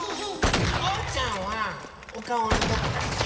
おうちゃんはおかおのどこがすき？